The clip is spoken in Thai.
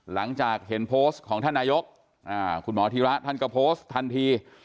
หลังจากเห็นโพสต์ของท่านนายกคุณหมอธีระท่านก็โพสต์ทันที